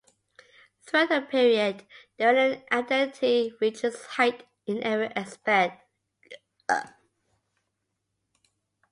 Throughout the period, the Iranian identity reached its height in every aspect.